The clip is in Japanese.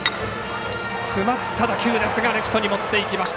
詰まった打球ですがレフトに持っていきました